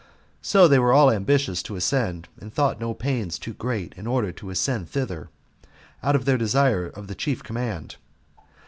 So they all were ambitious to ascend, and thought no pains too great in order to ascend thither, out of their desire of the chief command.